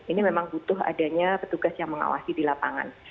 ini memang butuh adanya petugas yang mengawasi di lapangan